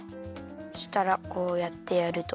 そしたらこうやってやると。